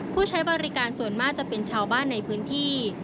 ผู้ใช้บริการส่วนมากจะเป็นชาวบ้านในพื้นที่